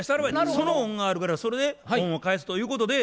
その恩があるからそれで恩を返すということで。